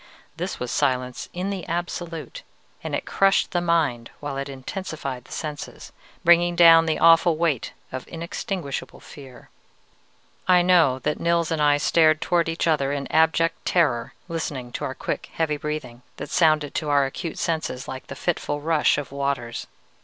This was silence in the absolute, and it crushed the mind while it intensified the senses, bringing down the awful weight of inextinguishable fear. "I know that Nils and I stared towards each other in abject terror, listening to our quick, heavy breathing, that sounded to our acute senses like the fitful rush of waters.